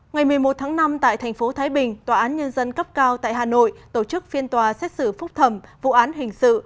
ngày một mươi một tháng năm tại thành phố thái bình tòa án nhân dân cấp cao tại hà nội tổ chức phiên tòa xét xử phúc thẩm vụ án hình sự